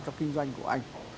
cho kinh doanh của anh